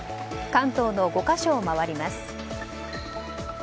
関東の５か所を回ります。